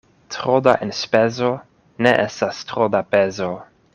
Tro da enspezo ne estas tro da pezo.